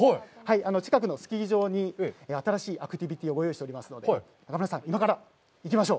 近くのスキー場に新しいアクティビティをご用意していますので、中丸さん、今から行きましょう！